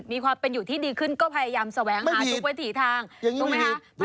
มีความเป็นอยู่ที่ดีขึ้นก็พยายามแสวงหาทุกวิถีทางถูกไหมคะ